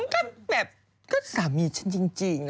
ก็แบบก็สามีฉันจริง